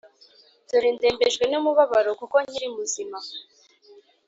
dore ndembejwe n’umubabaro, kuko nkiri muzima’